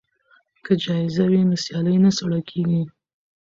که جایزه وي نو سیالي نه سړه کیږي.